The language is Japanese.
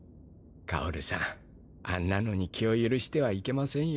薫さんあんなのに気を許してはいけませんよ。